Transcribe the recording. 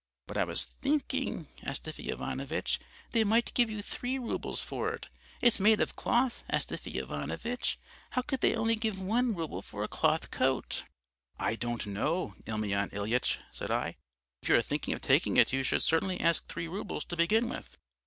"'But I was thinking, Astafy Ivanovitch, they might give you three roubles for it; it's made of cloth, Astafy Ivanovitch. How could they only give one rouble for a cloth coat?' "'I don't know, Emelyan Ilyitch,' said I, 'if you are thinking of taking it you should certainly ask three roubles to begin with.'